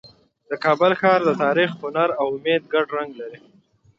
د کابل ښار د تاریخ، هنر او امید ګډ رنګ لري.